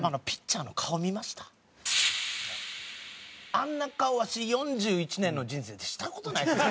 あんな顔わし４１年の人生でした事ないですよ。